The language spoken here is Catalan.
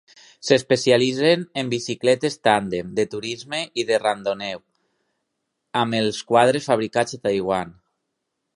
S'especialitzen en bicicletes tàndem, de turisme i de randonneur, amb els quadres fabricats a Taiwan.